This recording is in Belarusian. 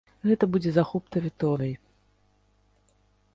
Гэта будзе захоп тэрыторыі.